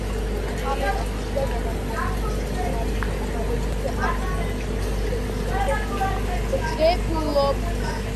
ამიტომ ხშირად ადამიანისთვის იდუმალებით აღსავსე შედეგს ვღებულობთ.